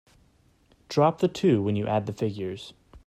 Drop the two when you add the figures.